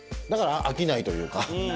だから飽きないというか。